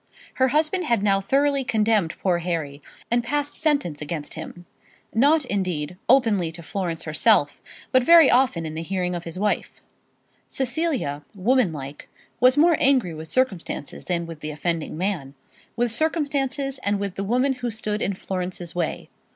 Her husband had now thoroughly condemned poor Harry, and had passed sentence against him, not indeed openly to Florence herself, but very often in the hearing of his wife. Cecilia, womanlike, was more angry with circumstances than with the offending man, with circumstances and with the woman who stood in Florence's way.